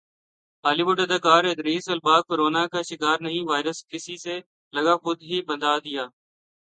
ہالی ووڈ اداکارادریس Elba corona کا شکارانہیں وائرس کس سے لگاخودہی بتادیا